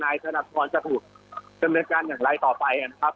นายสนับพรรณจะถูกจำเนินการอย่างไรต่อไปครับ